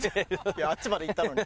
あっちまで行ったのに。